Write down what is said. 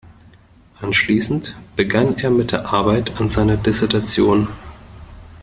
Anschließend begann er mit der Arbeit an seiner Dissertation.